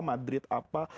madrid itu apa